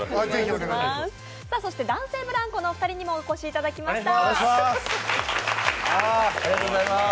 そして男性ブランコのお二人にもお越しいただきました。